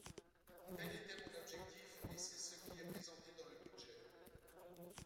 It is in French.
Tel était mon objectif et c’est ce qui est présenté dans le budget.